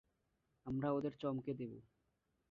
আমরা ওদের চমকে দেবো।